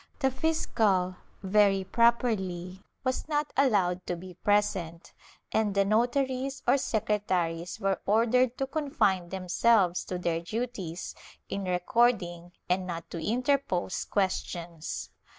^ The fiscal, very properly, was not allowed to be present, and the notaries or secre taries were ordered to confine themselves to their duties in record ing and not to interpose questions.